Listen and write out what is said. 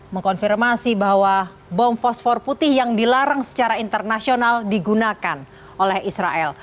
mengkonfirmasi bahwa bom fosfor putih yang dilarang secara internasional digunakan oleh israel